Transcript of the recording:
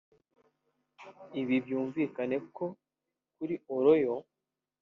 Ibi byumvikane ko kuri Oloyo